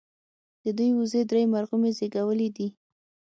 د دوي وزې درې مرغومي زيږولي دي